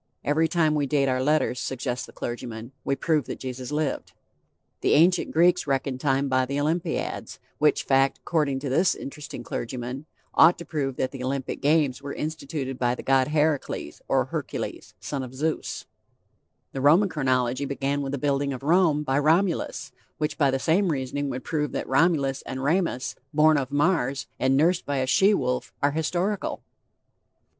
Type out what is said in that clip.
Every time we date our letters, suggests the clergyman, we prove that Jesus lived. The ancient Greeks reckoned time by the Olympiads, which fact, according to this interesting clergyman, ought to prove that the Olympic games were instituted by the God Heracles or Hercules, son of Zeus; the Roman Chronology began with the building of Rome by Romulus, which by the same reasoning would prove that Romulus and Remus, born of Mars, and nursed by a she wolf, are historical.